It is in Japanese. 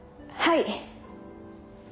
はい。